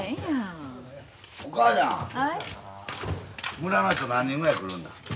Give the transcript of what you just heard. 村の人何人ぐらい来るんな？